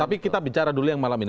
tapi kita bicara dulu yang malam ini